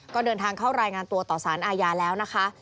ก็เดินทางเข้ารายงานตัวต่อสารอาญาแล้วนะคะ